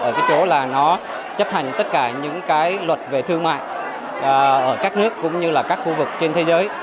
ở cái chỗ là nó chấp hành tất cả những cái luật về thương mại ở các nước cũng như là các khu vực trên thế giới